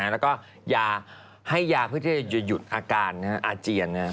แล้วก็ให้ยาเพื่อที่จะหยุดอาการอาเจียน